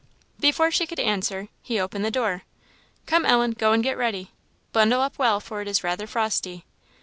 Before she could answer, he opened the door. "Come, Ellen, go and get ready. Bundle up well, for it is rather frosty.